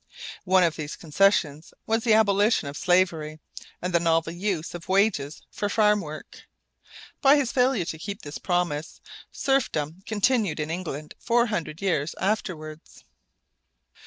One of these concessions was the abolition of slavery and the novel use of wages for farm work. By his failure to keep this promise, serfdom continued in England four hundred years afterwards.